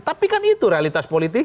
tapi kan itu realitas politik